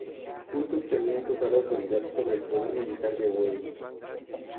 Juntos tenían total autoridad sobre el poder militar de Wei.